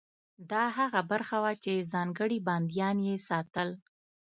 دا هغه برخه وه چې ځانګړي بندیان یې ساتل.